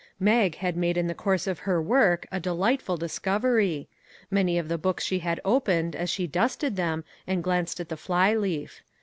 Mag had made in the course of her work a delightful discovery. Many of the books she had opened as she dusted them and glanced at the fly leaf.